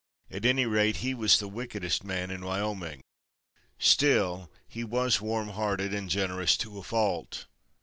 At any rate, he was the wickedest man in Wyoming. Still, he was warmhearted and generous to a fault.